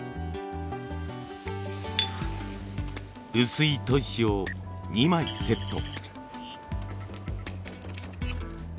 薄い砥石を２枚セット。